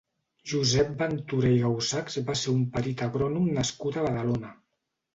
Josep Ventura i Gausachs va ser un perit agrònom nascut a Badalona.